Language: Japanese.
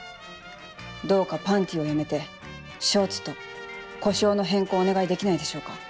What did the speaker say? どうか「パンティ」をやめて「ショーツ」と呼称の変更をお願いできないでしょうか。